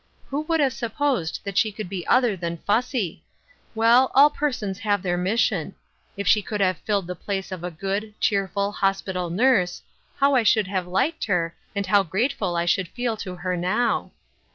" Who would have supposed that she could be other than fussy ? Well, all persons have their mission. If she could have filled the place of a good, cheerful, hospital nurse, how I should have liked her, and how grateful I should feel to her now